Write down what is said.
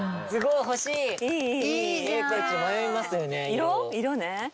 色ね。